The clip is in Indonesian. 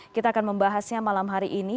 kita akan membahasnya malam hari ini